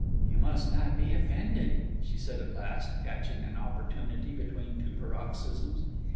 'You must not be offended,' she said at last, catching an opportunity between two paroxysms.